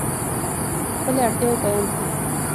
خپلې اړتیاوې بیان کوو.